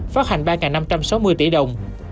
phát hành ba năm trăm sáu mươi tỷ đồng